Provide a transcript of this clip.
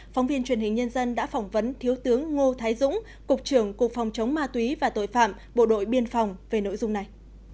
phóng viên truyền hình nhân dân đã phỏng vấn thiếu tướng ngô thái dũng cục trưởng cục phòng chống ma túy và tội phạm bộ đội biên phòng về nội dung này